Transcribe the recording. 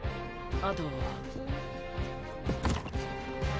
あと。